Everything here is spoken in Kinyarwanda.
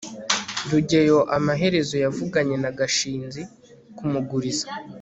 rugeyo amaherezo yavuganye na gashinzi kumuguriza